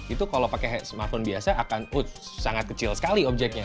itu kalau pakai smartphone biasa akan ood sangat kecil sekali objeknya